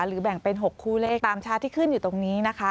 แบ่งเป็น๖คู่เลขตามชาติที่ขึ้นอยู่ตรงนี้นะคะ